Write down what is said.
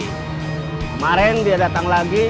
kemarin dia datang lagi